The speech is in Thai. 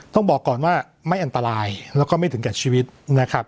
ต้องบอกก่อนว่าไม่อันตรายแล้วก็ไม่ถึงกับชีวิตนะครับ